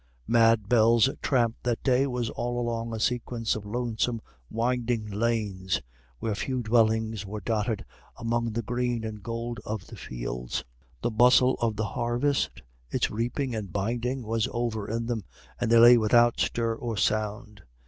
Mad Bell's tramp that day was all along a sequence of lonesome winding lanes, where few dwellings were dotted among the green and gold of the fields. The bustle of the harvest, its reaping and binding, was over in them, and they lay without stir or sound.